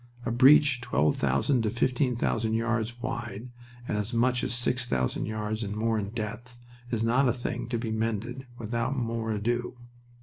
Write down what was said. A breach twelve thousand to fifteen thousand yards wide and as much as six thousand yards and more in depth is not a thing to be mended without more ado.